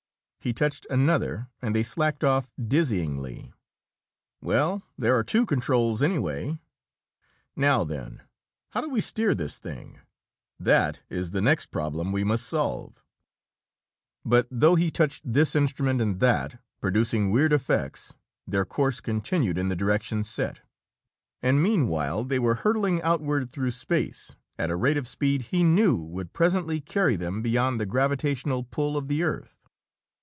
He touched another, and they slacked off dizzyingly. "Well, there are two controls, anyway. Now then, how do they steer this thing? That is the next problem we must solve." But though he touched this instrument and that, producing weird effects, their course continued in the direction set. And meanwhile, they were hurtling outward through space at a rate of speed he knew would presently carry them beyond the gravitational pull of the earth.